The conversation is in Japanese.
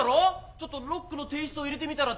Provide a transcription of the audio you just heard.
ちょっとロックのテイストを入れてみたらどうかと。